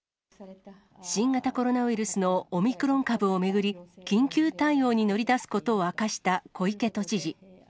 新型コロナウイルスのオミクロン株を巡り、緊急対応に乗り出すことを明かした小池都知事。